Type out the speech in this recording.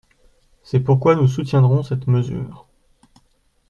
C’est pourquoi nous soutiendrons cette mesure.